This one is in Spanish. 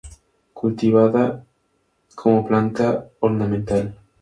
Cultivada como planta ornamental.